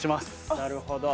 なるほど。